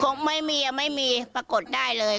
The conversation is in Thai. ไม่มีไม่มีปรากฏได้เลย